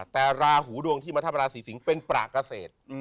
แต่ราหูดวงที่มาทับราศีสิงศ์เป็นประเกษตร